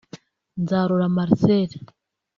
Nzarora Marcel